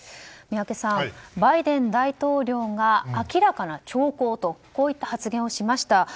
宮家さん、バイデン大統領が明らかな兆候とこういった発言をしました。